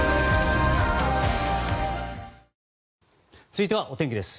続いてはお天気です。